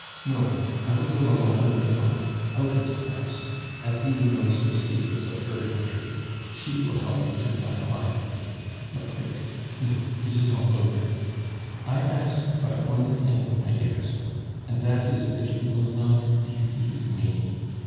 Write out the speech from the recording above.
No, I will go a long way off, out of France. Asie knows the secrets of her country; she will help me to die quietly. A prick whiff, it is all over! "I ask but one thing, my dearest, and that is that you will not deceive me.